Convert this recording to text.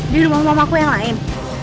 di rumah rumahku yang lain